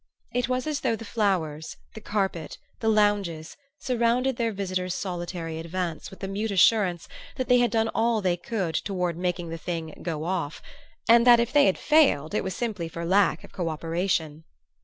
It was as though the flowers, the carpet, the lounges, surrounded their visitor's solitary advance with the mute assurance that they had done all they could toward making the thing "go off," and that if they had failed it was simply for lack of co operation.